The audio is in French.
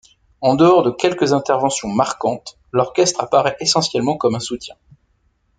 En dehors de quelques interventions marquantes, l'orchestre apparaît essentiellement comme un soutien.